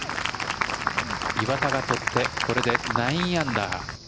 岩田がとって、これで９アンダー。